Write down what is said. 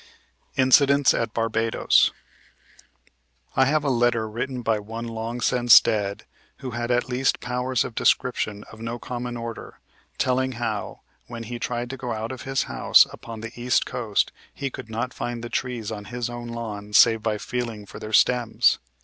INCIDENTS AT BARBADOS "I have a letter written by one long since dead, who had at least powers of description of no common order, telling how, when he tried to go out of his house upon the east coast, he could not find the trees on his own lawn save by feeling for their stems.